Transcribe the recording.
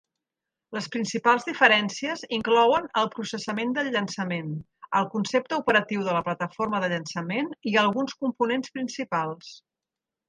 Les principals diferències inclouen el processament del llançament, el concepte operatiu de la plataforma de llançament i alguns components principals.